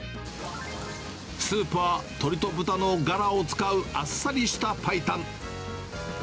スープは、鶏と豚のガラを使うあっさりした白湯。